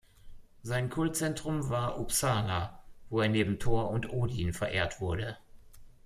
Sein Kultzentrum war Uppsala, wo er neben Thor und Odin verehrt wurde.